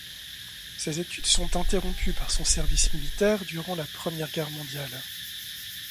Ses études sont interrompues par son service militaire durant la Première Guerre mondiale.